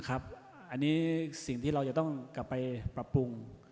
อันนี้สิ่งที่เราจะต้องกลับไปปรับปรุง